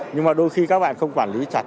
nhưng mà đôi khi các bạn không quản lý chặt